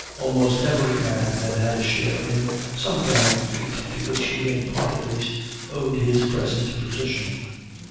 Almost every man had had a share in some gallant feat, to which he, in part at least, owed his present position.